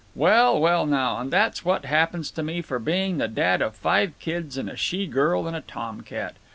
"Well, well, now, and that's what happens to me for being the dad of five kids and a she girl and a tom cat.